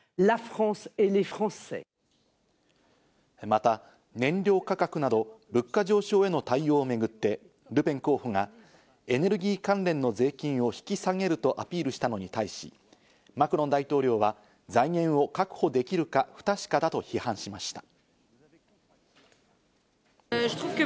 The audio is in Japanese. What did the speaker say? また燃料価格など物価上昇への対応をめぐってルペン候補がエネルギー関連の税金を引き下げるとアピールしたのに対し、マクロン大統領は財源を確保できるか不確かだと批判しました。